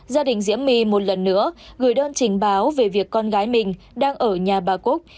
gia đình diễm my một lần nữa gửi đơn trình báo về việc con gái mình đang ở nhà bà cúc